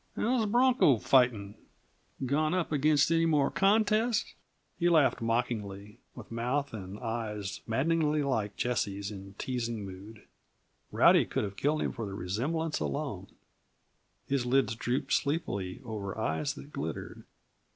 How's bronco fighting? Gone up against any more contests?" He laughed mockingly with mouth and eyes maddeningly like Jessie's in teasing mood. Rowdy could have killed him for the resemblance alone. His lids drooped sleepily over eyes that glittered.